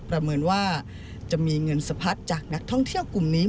ประเมินว่าจะมีเงินสะพัดจากนักท่องเที่ยวกลุ่มนี้